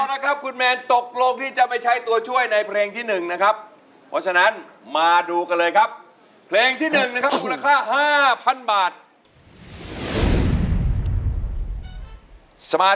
เอาน้ำน้ำน้ำน้ำน้ำ